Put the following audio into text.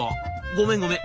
「ごめんごめん。